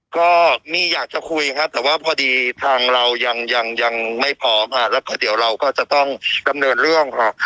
ก็มีอยากจะคุยครับแต่ว่าพอดีทางเรายังยังไม่พร้อมค่ะแล้วก็เดี๋ยวเราก็จะต้องดำเนินเรื่องค่ะ